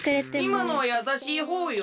いまのはやさしいほうよ。